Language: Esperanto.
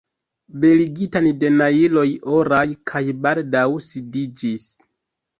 Beligitan de najloj oraj, kaj baldaŭ sidiĝis.